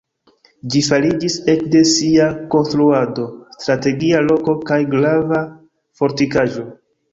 Ĝi fariĝis ekde sia konstruado strategia loko kaj grava fortikaĵo.